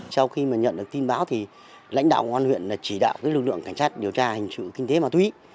sau khi nhận được tin báo lãnh đạo quân huyện chỉ đạo lực lượng cảnh sát điều tra hành trực kinh tế mà thúy